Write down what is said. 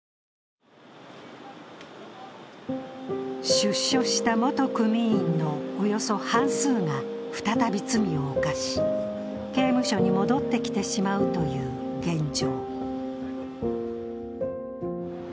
出所した元組員のおよそ半数が再び罪を犯し、刑務所に戻ってきてしまうという現状。